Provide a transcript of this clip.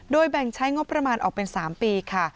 แบ่งใช้งบประมาณออกเป็น๓ปีค่ะ